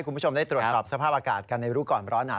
คุณผู้ชมได้ตรวจสอบสภาพอากาศกันในรู้ก่อนร้อนหนา